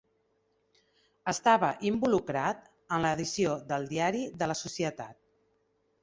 Estava involucrat en l'edició del diari de la Societat.